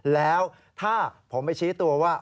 แล้วถ้าผมไปชี้ตัวว่า